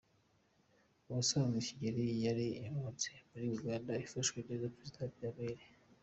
Ubusanzwe Kigeli yari impunzi muri Uganda afashwe neza Perezida Iddi Amin.